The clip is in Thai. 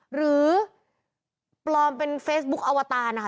หรือปลอมเป็นเฟซบุ๊คอวตารนะคะ